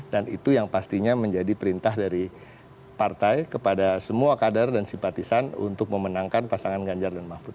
dan itu yang pastinya menjadi perintah dari partai kepada semua kader dan simpatisan untuk memenangkan pasangan ganjar dan mahfud